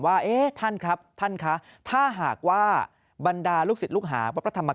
ว่าเอ๊ะท่านครับท่านครับท่าหากว่าบรรดาลุกษิตเรื่องภาคพระธรรมดา